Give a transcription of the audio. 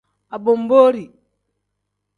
Abonboori.